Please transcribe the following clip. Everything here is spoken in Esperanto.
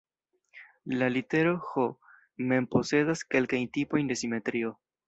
La litero "H" mem posedas kelkajn tipojn de simetrio.